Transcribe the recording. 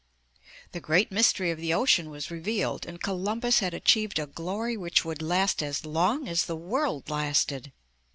The great mystery of the ocean was revealed, and Columbus had achieved a glory which would last as long as the world lasted.